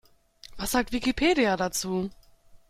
Was sagt Wikipedia dazu?